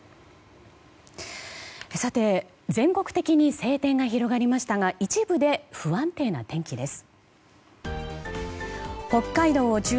全国的に晴天が広がりましたが一部で不安定な天気です。